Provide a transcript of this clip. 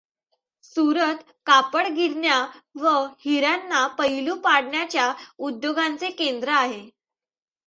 सुरत कापडगिरण्या व हिर् यांना पैलु पाडण्याच्या उद्योगांचे केंद्र आहे.